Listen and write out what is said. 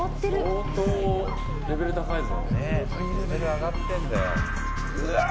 相当レベル高いぞ。